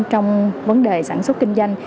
trong vấn đề sản xuất kinh doanh